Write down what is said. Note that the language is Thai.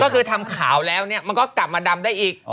ก็คือทำขาวแล้วเนี่ยมันก็กลับมาดำได้อีก